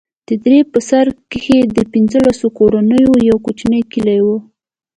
د درې په سر کښې د پنځلسو كورونو يو كوچنى كلى و.